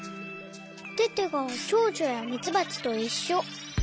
テテがチョウチョやミツバチといっしょ。